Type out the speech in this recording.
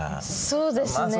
そうですね。